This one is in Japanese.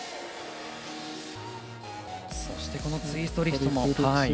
そしてツイストリフトも。